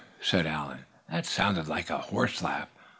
said Allan. Surely that sounded like a hoarse laugh.